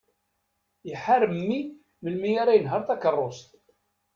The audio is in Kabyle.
Iḥar mmi melmi ara yenher takerrust.